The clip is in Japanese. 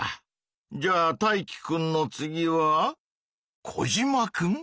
じゃあタイキくんの次はコジマくん？